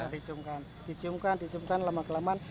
dijumkan dijumkan dijumkan lama kelamaan